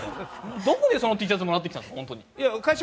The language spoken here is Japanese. どこでそのＴシャツもらってきたんですか？